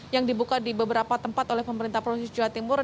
yang dibuka di beberapa tempat oleh pemerintah provinsi jawa timur